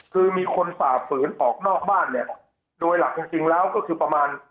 คือมีคนฝ่าฝืนออกนอกบ้านเนี่ยโดยหลักจริงจริงแล้วก็คือประมาณ